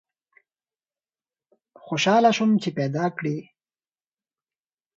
خوشحاله سوم چي پیداکړې